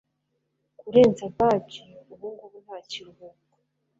Kurenza badger ubungubu nta kiruhuko